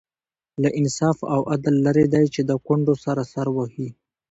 له انصاف او عدل لرې دی چې د کونډو سر سر وهي.